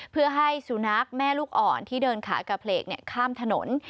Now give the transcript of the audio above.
เพื่อให้สุนัขแม่ลูกอ่อนที่เดินขากระเพลกข้ามถนน